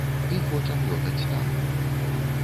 І хочам лётаць танна.